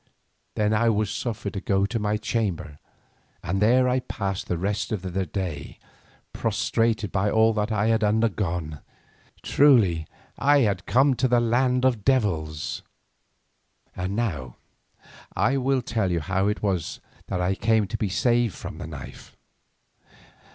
Then I was suffered to go to my chamber, and there I passed the rest of the day prostrated by all that I had undergone. Truly I had come to a land of devils! And now I will tell how it was that I came to be saved from the knife.